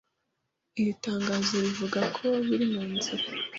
Iri tangazo rivuga ko biri munzira